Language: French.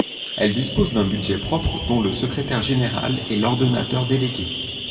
Elle dispose d’un budget propre dont le secrétaire général est l’ordonnateur délégué.